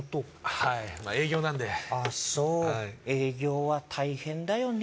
はいまあ営業なんであそう営業は大変だよね